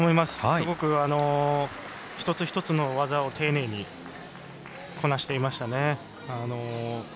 すごく、一つ一つの技を丁寧にこなしていましたね。